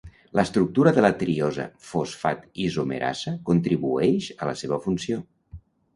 L'estructura de la triosa fosfat isomerasa contribueix a la seva funció.